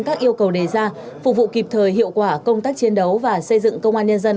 các yêu cầu đề ra phục vụ kịp thời hiệu quả công tác chiến đấu và xây dựng công an nhân dân